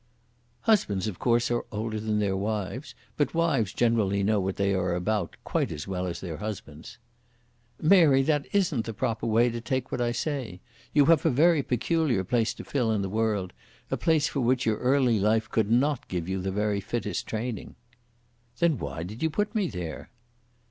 "Husbands, of course, are older than their wives, but wives generally know what they are about quite as well as their husbands." "Mary, that isn't the proper way to take what I say. You have a very peculiar place to fill in the world, a place for which your early life could not give you the very fittest training." "Then why did you put me there?"